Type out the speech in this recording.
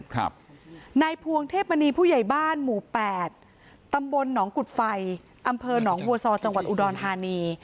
นายพวงเทพมณีผู้ใหญ่บ้านหมู่แปดตำบลหนองกุฎไฟอำเภอหนองบัวซอจังหวัดอุดรธานี